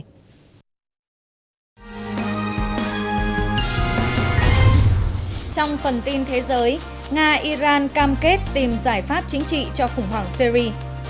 trong phần tin thế giới nga iran cam kết tìm giải pháp chính trị cho khủng hoảng syri